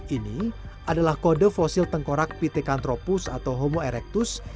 ini adalah kode fosil tengkorak pithecanthropus atau homo erectus